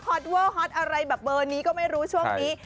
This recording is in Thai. เวอร์ฮอตอะไรแบบเบอร์นี้ก็ไม่รู้ช่วงนี้